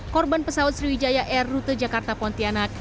korban pesawat sriwijaya air rute jakarta pontianak